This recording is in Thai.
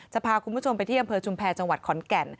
พาคุณผู้ชมไปที่อำเภอชุมแพรจังหวัดขอนแก่น